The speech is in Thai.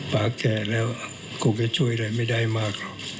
ฝาแก่แล้วคงจะช่วยอะไรไม่ได้มาก